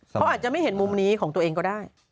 เขาอาจจะไม่เห็นมุมนี้ของตัวเองก็ได้